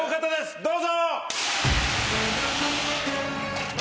どうぞ！